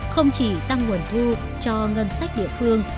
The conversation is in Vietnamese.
không chỉ tăng nguồn thu cho ngân sách địa phương